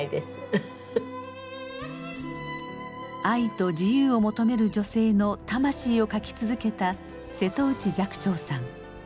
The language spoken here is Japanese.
愛と自由を求める女性の魂を書き続けた瀬戸内寂聴さん。